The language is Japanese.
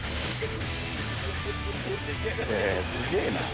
すげぇな。